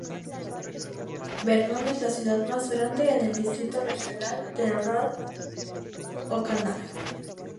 Vernon es la ciudad más grande en el Distrito Regional de North Okanagan.